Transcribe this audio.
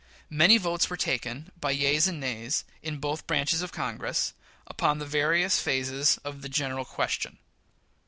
Many votes were taken, by yeas and nays, in both branches of Congress, upon the various phases of the general question.